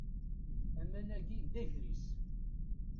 Aman-agi d agris.